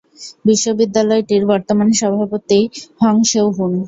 বিশ্ববিদ্যালয়টির বর্তমান সভাপতি হং সেও-হুন।